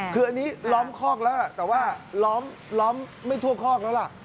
คืออันนี้ล้อมคอกแล้วแต่ว่าล้อมไม่ทั่วคอกแล้วล่ะ